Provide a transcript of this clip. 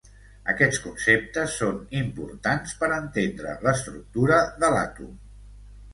Aquests conceptes són importants per entendre l'estructura de l'àtom.